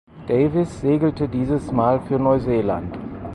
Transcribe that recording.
Davis segelte dieses Mal für Neuseeland.